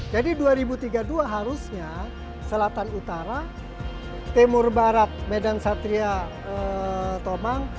jadi dua ribu tiga puluh dua harusnya selatan utara timur barat medan satria tomang